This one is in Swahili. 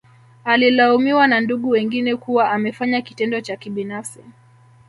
Alilaumiwa na ndugu wengine kuwa amefanya kitendo cha kibinafsi